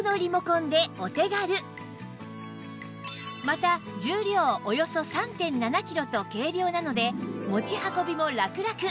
また重量およそ ３．７ キロと軽量なので持ち運びもラクラク